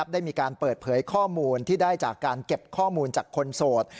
ได้มีการเปิดเผยข้อมูลที่ได้จากการเก็บข้อมูลจากคนโสด